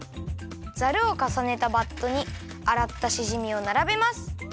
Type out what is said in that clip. ザルをかさねたバットにあらったしじみをならべます。